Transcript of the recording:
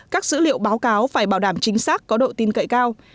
các dữ liệu báo cáo phải bảo đảm chính xác có độ tin cậy cao